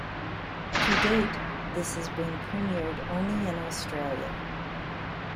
To date, this has been premiered only in Australia.